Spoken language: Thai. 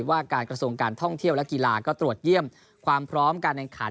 ว่าการกระทรวงการท่องเที่ยวและกีฬาก็ตรวจเยี่ยมความพร้อมการแข่งขัน